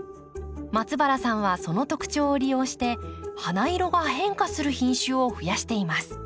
松原さんはその特徴を利用して花色が変化する品種を増やしています。